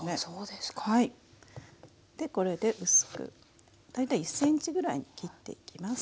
でこれで薄く大体１ｃｍぐらいに切っていきます。